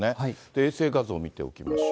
衛星画像見ておきましょう。